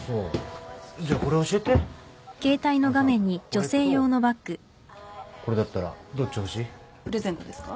あのさこれとこれだったらどっち欲しい？プレゼントですか？